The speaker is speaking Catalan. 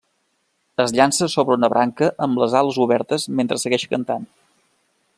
Es llança sobre una branca amb les ales obertes mentre segueix cantant.